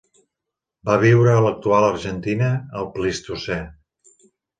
Va viure a l'actual Argentina al Plistocè.